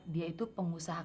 dia itu pengusaha